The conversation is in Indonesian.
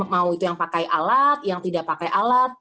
mau itu yang pakai alat yang tidak pakai alat